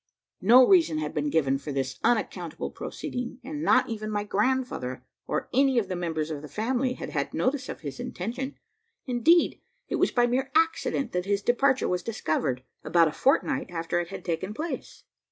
No reason had been given for this unaccountable proceeding; and not even my grandfather, or any of the members of the family, had had notice of his intention. Indeed, it was by mere accident that his departure was discovered, about a fortnight after it had taken place.